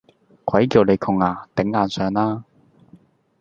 鬼叫你窮呀，頂硬上啦！